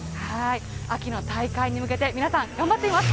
秋の大会に向けて、皆さん、頑張っています。